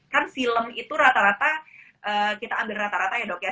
kan film itu rata rata kita ambil rata rata ya dok ya